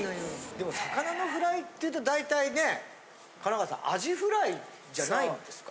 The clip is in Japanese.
でも魚のフライっていうと大体ね金川さんアジフライじゃないんですか？